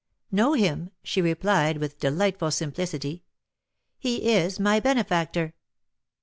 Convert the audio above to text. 'Know him!' she replied, with delightful simplicity; 'he is my benefactor.'"